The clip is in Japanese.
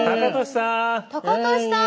高利さん！